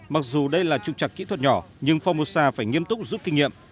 mặc dù đây là trục trạc kỹ thuật nhỏ nhưng phomosa phải nghiêm túc giúp kinh nghiệm